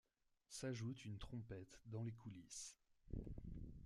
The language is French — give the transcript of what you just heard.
S'ajoute une trompette dans les coulisses.